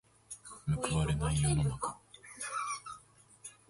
報われない世の中。